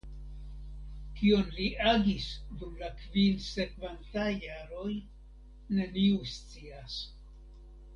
Kion li agis dum la kvin sekvantaj jaroj neniu scias.